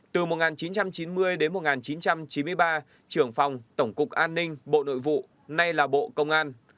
từ một nghìn chín trăm chín mươi đến một nghìn chín trăm chín mươi ba trưởng phòng tổng cục an ninh bộ nội vụ nay là bộ công an